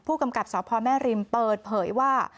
ผู้กำกัดสพแม่ริมเปิดเผยว่า